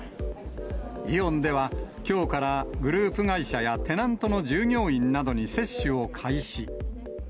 イオンでは、きょうからグループ会社やテナントの従業員などに接種を開始。